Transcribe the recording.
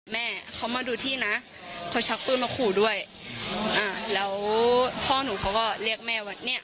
แม่เขามาดูที่นะเขาชักปืนมาขู่ด้วยอ่าแล้วพ่อหนูเขาก็เรียกแม่ว่าเนี่ย